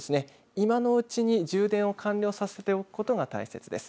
今のうちに、充電を完了させておくことが大切です。